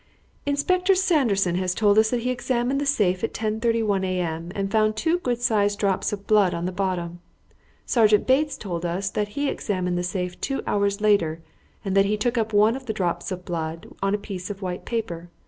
"Inspector Sanderson has told us that he examined the safe at 10.31 a.m. and found two good sized drops of blood on the bottom. Sergeant Bates has told us that he examined the safe two hours later, and that he took up one of the drops of blood on a piece of white paper.